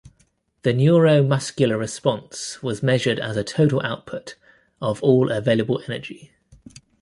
The neuromuscular response was measured as a total output of all available energy.